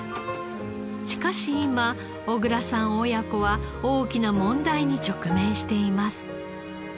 しかし今小倉さん親子は大きな問題に直面しています。